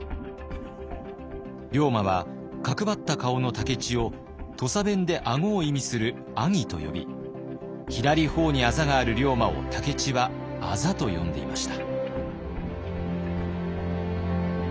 龍馬は角張った顔の武市を土佐弁で顎を意味する「アギ」と呼び左頬にあざがある龍馬を武市は「アザ」と呼んでいました。